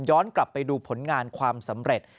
กลับไปดูผลงานความสำเร็จ